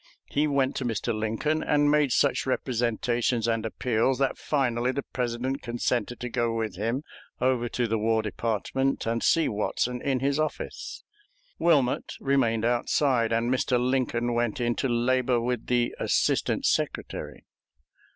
He went to Mr. Lincoln and made such representations and appeals that finally the President consented to go with him over to the War Department and see Watson in his office. Wilmot remained outside, and Mr. Lincoln went in to labor with the Assistant Secretary.